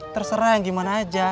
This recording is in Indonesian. terserah yang gimana aja